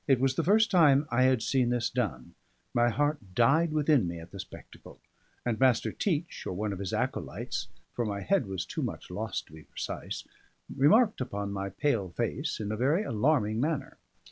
It was the first time I had seen this done; my heart died within me at the spectacle; and Master Teach or one of his acolytes (for my head was too much lost to be precise) remarked upon my pale face in a very alarming manner.